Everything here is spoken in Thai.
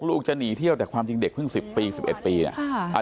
ลูกจะหนีเที่ยวแต่ความจริงเด็กเพิ่ง๑๐ปี๑๑ปีเนี่ย